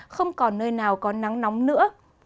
không còn nơi nào có nắng nóng nữa